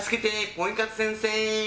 ポイ活先生！